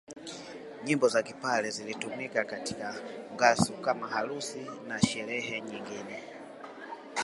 Nyimbo za Kipare zilitumika katika ngasu kama harusi na sherehe nyingine